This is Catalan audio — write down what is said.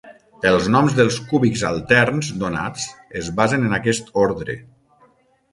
Els noms dels "cúbics alterns" donats es basen en aquest ordre.